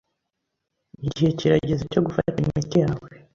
Igihe kirageze cyo gufata imiti yawe.